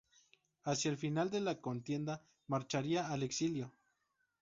Hacia el final de la contienda marcharía al exilio.